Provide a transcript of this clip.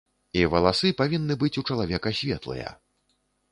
І валасы павінны быць у чалавека светлыя.